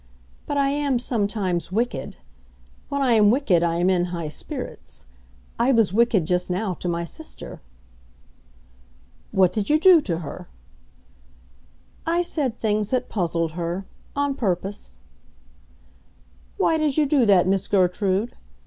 "But I am sometimes wicked. When I am wicked I am in high spirits. I was wicked just now to my sister." "What did you do to her?" "I said things that puzzled her—on purpose." "Why did you do that, Miss Gertrude?"